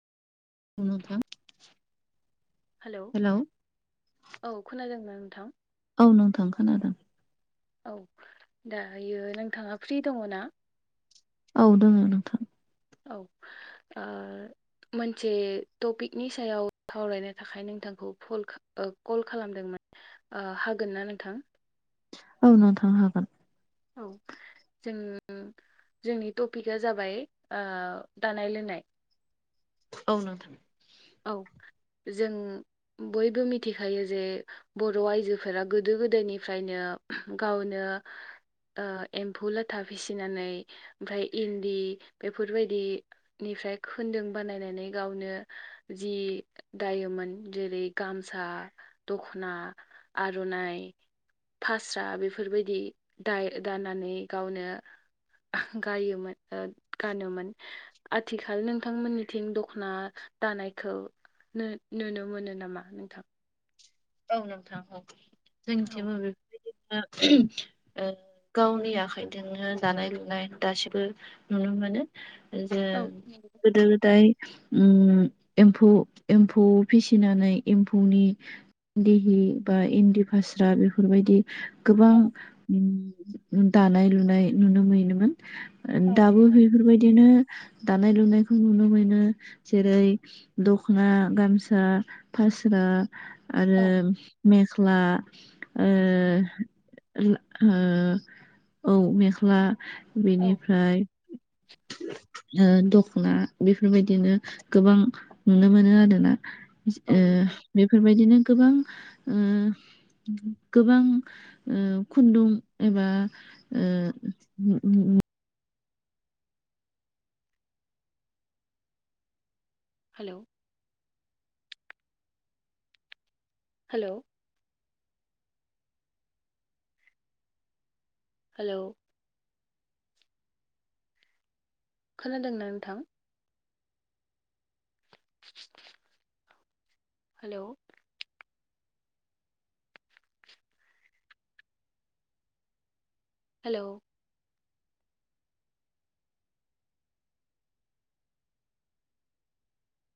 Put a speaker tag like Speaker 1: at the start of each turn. Speaker 1: औ नोंथां
Speaker 2: hello
Speaker 1: hello
Speaker 2: औ खोनादों आं।
Speaker 1: औ नों थांखानादों
Speaker 2: औ दायो नोंथाङा फ्रि दङ ना
Speaker 1: हदङनोथां
Speaker 2: औ आ मोनसे टपिकनि सायाव सावरायनो थाखाय नोंथांखौ कल खालामदोंमोन हागोननाा नोंथां
Speaker 1: औनाव थांनो हागोन
Speaker 2: औ जों जोंनि टपिकआ जाबाय दानाय लोंनाय
Speaker 1: औ न
Speaker 2: औ जों बयबो मिथिखायो जे बर' आइजोफोरा गोदो गोदायनिफ्रायनो गावनो दा एम्फौ लाथा फिसिनानै ओमफ्राय इन्दि बेफोरबायदिनि मफ्राय खोन्दों बानायनानै गावनो जि दायोमोन जेरै गामसा दखना आर'नाइ फास्रा बेफोरबायदि दा-दानानै गावनो गायोमोन- ओ गानोमोन आथिखाल नोंथांमोननिथिं दख'ना दानाय- खौ नुनो मोनो नामा नोंथां?
Speaker 1: औ नोंथां औ
Speaker 2: औ
Speaker 1: जोंनिथिबो बेे ओ गावनि आखाइजोंनो दानाय लुनाय दासिबो नुनो मोनो जे
Speaker 2: औ नंगौ।
Speaker 1: गोदो गोदाय उम एम्फौ एम्फौ फिसिनानै एम्फौनि इन्दिहि बा इन्दि फास्रा बेफोरबायदि गोबां
Speaker 2: औ
Speaker 1: दानाय लुनाय नुनो मोनोमोन
Speaker 2: औ
Speaker 1: दाबो
Speaker 2: नंगौ
Speaker 1: बेफोरबायदिनो दानाय लुनायखौ नुनो मोनो जेरै दख'ना, गामसा, फास्रा आरो
Speaker 2: औ
Speaker 1: मेख्ला ओ औ मेख्ला
Speaker 2: औ
Speaker 1: बेनिफ्राय ओ दख्ना बेफोरबायदिनो गोबां नुनो मोनो आरोना
Speaker 2: औ
Speaker 1: ओ
Speaker 2: नांगोन
Speaker 1: बेफोरबायदिनो गोबां ओ गोबां ओ खुन्दुं एबा ओ
Speaker 2: हेलौ हेलौ हेलौ खोनादोंना नोंथां? Hello hello